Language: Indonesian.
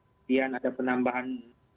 kemudian ada penambahan